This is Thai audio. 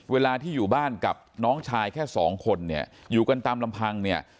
เวลาที่อยู่บ้านกับน้องชายแค่สองคนเนี่ยอยู่กันตามลำพังเนี่ย